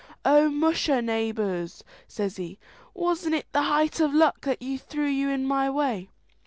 "O musha, naybours!" says he, "wasn't it the height o' luck that threw you in my way!